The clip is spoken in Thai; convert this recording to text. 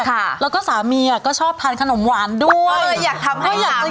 ค่ะแล้วก็สามีอ่ะก็ชอบทานขนมหวานด้วยอยากทำให้อยากกิน